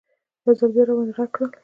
یو ځل بیا یې راباندې غږ کړل.